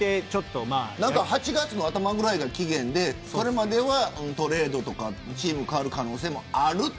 ８月の頭ぐらいが期限でそれまではトレードとかチームが変わる可能性もある。